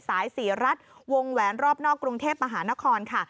สายศรีรัฐวงแหวนรอบนอกกรุงเทพมหานครค่ะ